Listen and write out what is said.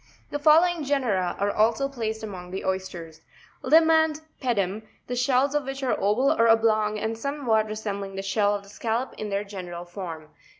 The following genera are also placed among the oysters; Lima and Pedum, the shells of which are oval or oblong and somes what resembling the shell of the Scallop in their gene ral form: 11.